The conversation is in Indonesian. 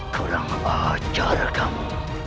kurang ajar kamu